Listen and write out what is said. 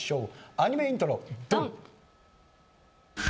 アニメイントロドン！